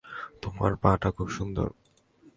তোমার পা-টা খুব সুন্দর।